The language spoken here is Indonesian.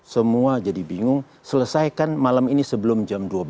semua jadi bingung selesaikan malam ini sebelum jam dua belas